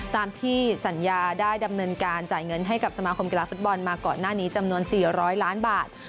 ตามที่สัญญาได้ดำเนินการจ่ายเงินให้กับสมาคมกีฬาฟุตบอลมาก่อนหน้านี้จำนวน๔๐๐ล้านบาท